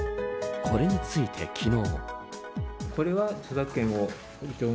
これについて昨日。